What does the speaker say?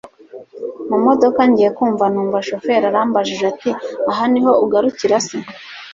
mumodoka ngiye kumva numva shoferi arambajije ati aha niho ugarukira se!